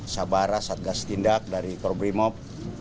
sabara satgas tindak dari korbrimob